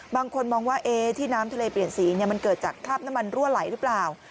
บางคนมองว่าที่น้ำทะเลเปลี่ยนสีมันเกิดจากคราบน้ำมันรั่วไหลหรือเปล่า